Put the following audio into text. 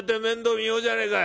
見ようじゃねえか。